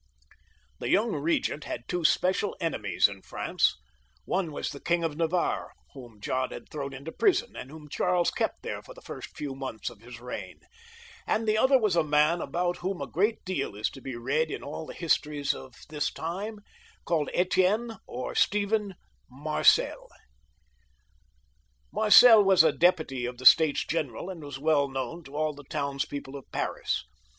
The young regent had two special enemies in France ; one was the King of Navarre, whom John had thrown into prison, and whom Charles kept there for the first XXVI.] yOHN(LEBON), 171 few months of his reign ; and the other was a man about whom a great deal is to be read in all the histories of this time, called Etienne or Stephen MarceL Marcel was a deputy of the States General, who had been what we should call a sheriff, and was well known to aU the towns people of Paris.